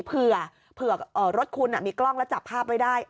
เผื่อรถคุณมีกล้องแล้วจับภาพไว้ได้